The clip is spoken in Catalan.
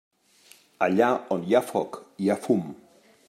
Allà on hi ha foc, hi ha fum.